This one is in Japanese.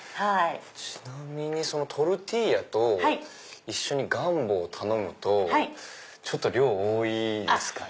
ちなみにトルティーヤと一緒にガンボを頼むと量多いですかね？